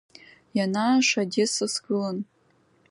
Ианааша Одесса сгылан.